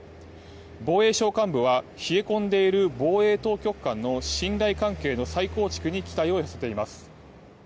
防衛省幹部は冷え込んでいる防衛当局間の信頼関係の再構築に期待を寄せています。